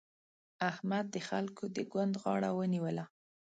احمد د خلګو د ګوند غاړه ونيوله.